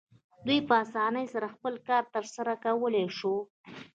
دوی په اسانۍ سره خپل کار ترسره کولی شو.